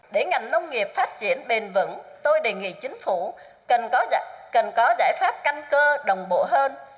để ngành nông nghiệp phát triển bền vững tôi đề nghị chính phủ cần có giải pháp căn cơ đồng bộ hơn